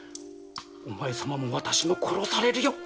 おまえ様も私も殺されるよ。